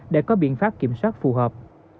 để có biện pháp kiểm soát phù hợp